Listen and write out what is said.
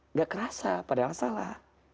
nggak kerasa padahal salah